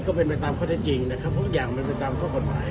ก็เป็นไปตามข้อได้จริงนะครับเพราะทุกอย่างมันไปตามข้อกฎหมาย